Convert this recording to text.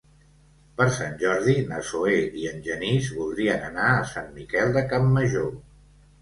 Per Sant Jordi na Zoè i en Genís voldrien anar a Sant Miquel de Campmajor.